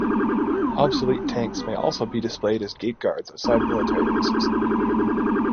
Obsolete tanks may also be displayed as gate guards outside military bases.